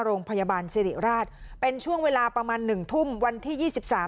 โรงพยาบาลสิริราชเป็นช่วงเวลาประมาณหนึ่งทุ่มวันที่ยี่สิบสาม